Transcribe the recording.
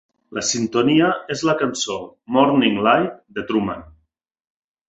La sintonia és la cançó "Morning Light" de Truman.